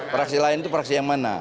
praksi lain itu fraksi yang mana